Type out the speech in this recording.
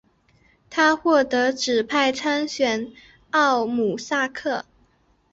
他获得指派参选奥姆斯克。